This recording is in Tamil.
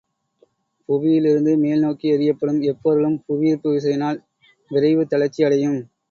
புவியிலிருந்து மேல்நோக்கி எறியப்படும் எப்பொருளும் புவிஈர்ப்பு விசையினால் விரைவுத் தளர்ச்சி அடையும்.